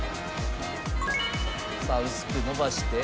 さあ薄く伸ばして。